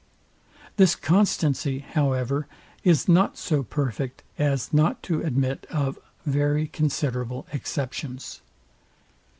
This constancy, however, is not so perfect as not to admit of very considerable exceptions.